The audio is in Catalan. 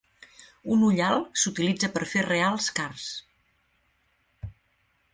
Un ullal s'utilitza per fer reals cars.